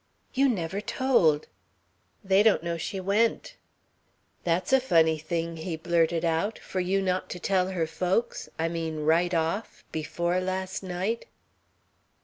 "You never told!" "They don't know she went." "That's a funny thing," he blurted out, "for you not to tell her folks I mean, right off. Before last night...."